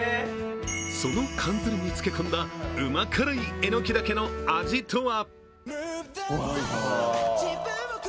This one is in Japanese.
そのかんずりに漬け込んだうま辛いえのきだけの味とは？